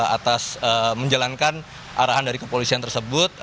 atas menjalankan arahan dari kepolisian tersebut